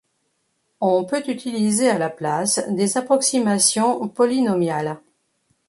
On peut utiliser à la place des approximations polynômiales.